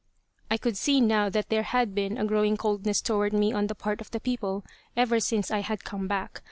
I could see now that there had been a growing coldness toward me on the part of the people ever since I had come back.